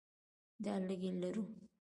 دا لږې لرو.